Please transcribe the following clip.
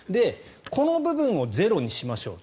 この部分をゼロにしましょう。